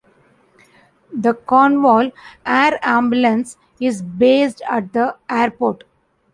The Cornwall Air Ambulance is based at the airport.